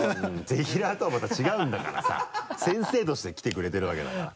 ぜひらーとはまた違うんだからさ先生として来てくれてるわけだから。